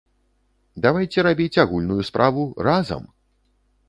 Давайце рабіць агульную справу разам!